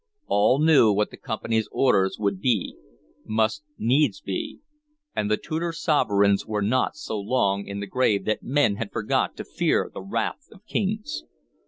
All knew what the Company's orders would be, must needs be, and the Tudor sovereigns were not so long in the grave that men had forgot to fear the wrath of kings.